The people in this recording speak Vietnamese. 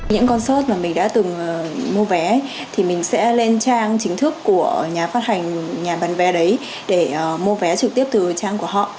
những con sơt mà mình đã từng mua vé thì mình sẽ lên trang chính thức của nhà phát hành nhà bán vé đấy để mua vé trực tiếp từ trang của họ